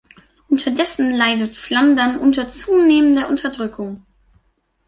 Unterdessen leidet Flandern unter zunehmender Unterdrückung.